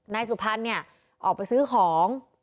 นายสุพรรณเนี่ยออกไปซื้อของ